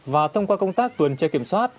và thông qua công tác tuần che kiểm soát